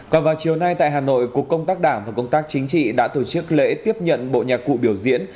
còn vào chiều nay tại hà nội cục công tác đảng và công tác chính trị đã tổ chức lễ tiếp nhận bộ nhạc cụ biểu diễn